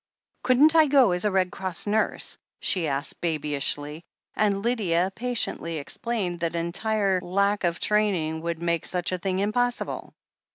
"Couldn't I go as a Red Cross nurse?" she asked babyishly, and Lydia patiently explained that entire lack of training would make such a thing impossible.